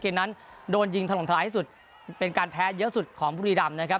นั้นโดนยิงถล่มทลายที่สุดเป็นการแพ้เยอะสุดของบุรีดำนะครับ